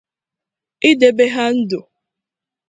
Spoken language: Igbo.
idebe ha ndụ